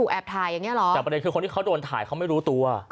แต่ประเด็นคือคนที่เขาโดนไถ่เค้าไม่รู้ตัว